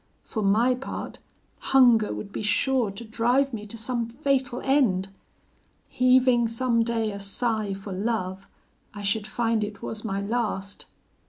For my part, hunger would be sure to drive me to some fatal end. Heaving some day a sigh for love, I should find it was my last.